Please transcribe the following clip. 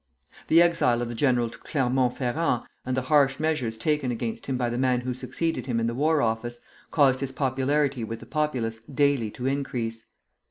The exile of the general to Clermont Ferrand, and the harsh measures taken against him by the man who succeeded him in the War Office, caused his popularity with the populace daily to increase.